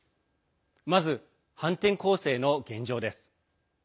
まず反転攻勢の現状です。